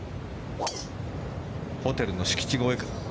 ホテルの敷地越え。